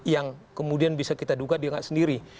yang kemudian bisa kita duga dia nggak sendiri